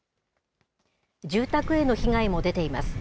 住宅への被害も出ています。